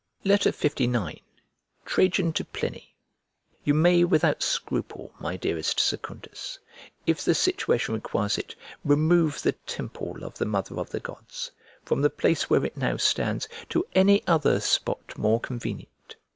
LIX TRAJAN TO PLINY You may without scruple, my dearest Secundus, if the situation requires it, remove the temple of the mother of the gods, from the place where it now stands, to any other spot more convenient.